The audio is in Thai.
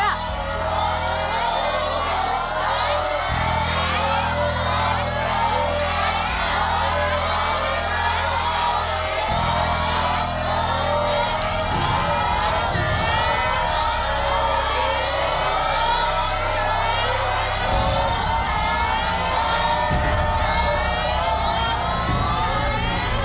โอ้โฮ